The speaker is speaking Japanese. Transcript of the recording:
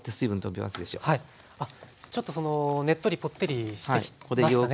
あっちょっとねっとりぽってりしてきましたね。